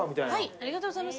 ありがとうございます。